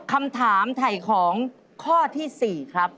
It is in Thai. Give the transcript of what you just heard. ข้อ๔ข้อที่๔ครับ